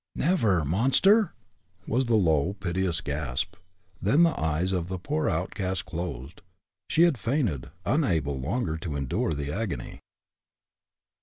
"Never, monster!" was the low, piteous gasp, then the eyes of the poor outcast closed; she had fainted, unable longer to endure the agony.